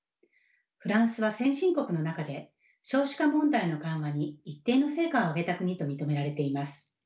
フランスは先進国の中で少子化問題の緩和に一定の成果を上げた国と認められています。